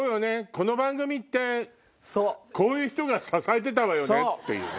この番組ってこういう人が支えてたっていうね。